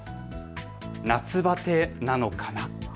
夏バテなのかな？